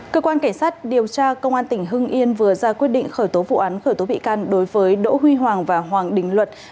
cơ quan cảnh sát điều tra công an tỉnh hưng yên vừa ra quyết định khởi tố vụ án khởi tố bị can đối với đỗ huy hoàng và hoàng đình luật